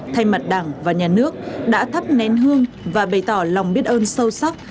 thay mặt đảng và nhà nước đã thắp nén hương và bày tỏ lòng biết ơn sâu sắc